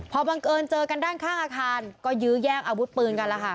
พอบังเอิญเจอกันด้านข้างอาคารก็ยื้อแย่งอาวุธปืนกันแล้วค่ะ